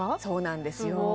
そうなんですよ